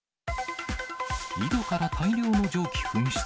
井戸から大量の蒸気噴出。